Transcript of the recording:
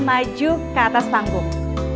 maju ke atas panggung